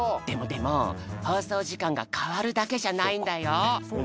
でもでもほうそうじかんがかわるだけじゃないんだよ！